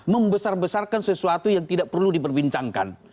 membesar besarkan sesuatu yang tidak perlu diperbincangkan